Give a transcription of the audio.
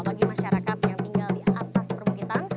bagi masyarakat yang tinggal di atas perbukitan